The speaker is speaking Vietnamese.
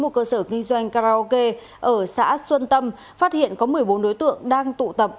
một cơ sở kinh doanh karaoke ở xã xuân tâm phát hiện có một mươi bốn đối tượng đang tụ tập